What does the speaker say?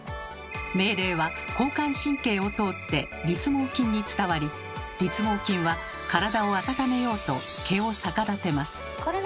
命令は交感神経を通って立毛筋に伝わり立毛筋は体をあたためようと毛を逆立てます。